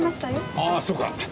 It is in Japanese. ああそうか。